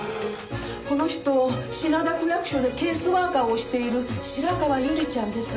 この人品田区役所でケースワーカーをしている白川友里ちゃんです。